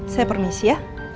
saya permisi ya